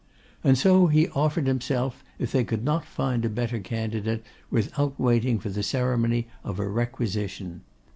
And so he offered himself if they could not find a better candidate, without waiting for the ceremony of a requisition.